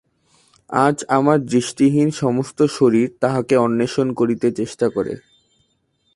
আজ আমার দৃষ্টিহীন সমস্ত শরীর তাঁহাকে অন্বেষণ করিতে চেষ্টা করে।